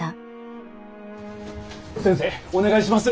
先生お願いします。